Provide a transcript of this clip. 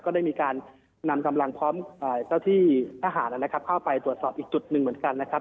ได้มีการนำกำลังพร้อมเจ้าที่ทหารนะครับเข้าไปตรวจสอบอีกจุดหนึ่งเหมือนกันนะครับ